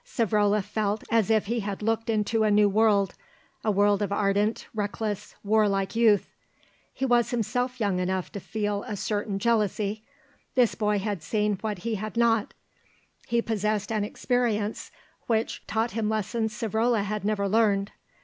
Savrola felt as if he had looked into a new world, a world of ardent, reckless, warlike youth. He was himself young enough to feel a certain jealousy. This boy had seen what he had not; he possessed an experience which taught him lessons Savrola had never learned.